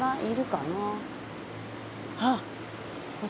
いるかな？